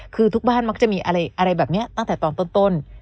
คือทุกบ้านมักจะมีอะไรแบบนี้ตั้งแต่ตอนต้น